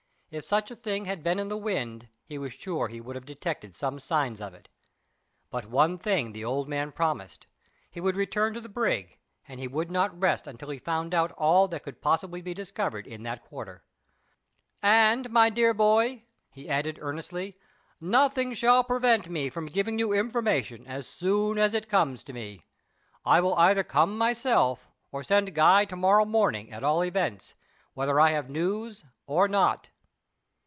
If such a thing had been in the wind he was sure he would have detected some signs of it. But one thing the old man promised. He would return to the brig, and he would not rest until he had found out all that could possibly be discovered in that quarter. "And, my dear boy," he added, earnestly, "nothing shall prevent me from giving you information as soon as it comes to me. I will either come myself or send Guy to morrow morning at all events, whether I have news or not."